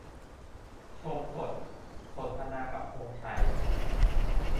ชมสด สนทนากับธงชัย